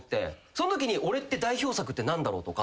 そんときに俺って代表作って何だろうとか。